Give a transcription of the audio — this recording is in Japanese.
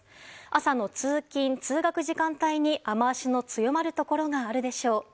朝の通勤・通学時間帯に雨脚の強まるところがあるでしょう。